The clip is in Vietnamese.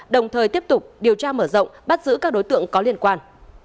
đồng thời tiếp tục điều tra mở rộng bắt giữ các đối tượng có liên quan